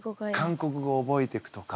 韓国語を覚えていくとか。